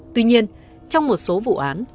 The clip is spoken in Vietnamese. tuy nhiên trong một số vụ án